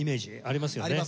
ありますね。